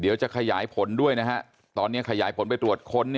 เดี๋ยวจะขยายผลด้วยนะฮะตอนนี้ขยายผลไปตรวจค้น